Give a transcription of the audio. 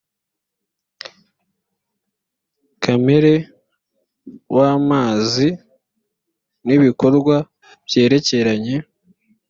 kamere w amazi n ibikorwa byerekeranye